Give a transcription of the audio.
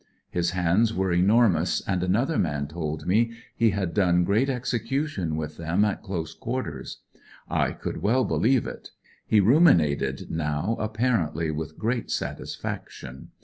His hands were enormous, and another man told me he had done great execution with them at close quarters. I could well believe it. He ruminated now apparently with great satisfaction.)